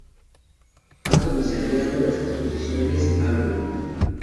Ha comisariado las exposiciones "Álbum.